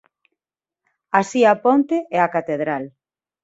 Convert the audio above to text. Así a ponte e a catedral.